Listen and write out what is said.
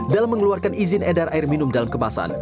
dalam mengeluarkan izin edar air minum dalam kemasan